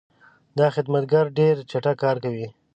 دا خدمتګر ډېر چټک کار کوي.